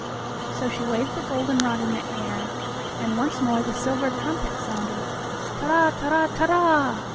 So she waved the goldenrod in the air, and once more the silver trumpet sounded: "Ta ra ta ra ta ra!"